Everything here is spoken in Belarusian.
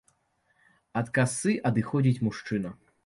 Ад касы адыходзіць мужчына.